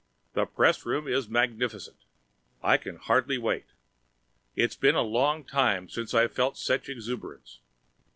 The pressroom is magnificent! I can hardly wait. It's been a long time since I've felt such exuberance.